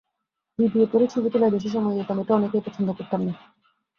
BBA পড়ে ছবি তোলায় বেশি সময় দিতাম—এটা অনেকেই পছন্দ করতেন না।